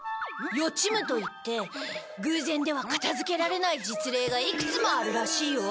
予知夢といって偶然では片づけられない実例がいくつもあるらしいよ。